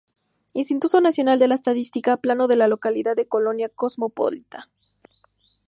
Instituto Nacional de Estadística: "Plano de la localidad de Colonia Cosmopolita"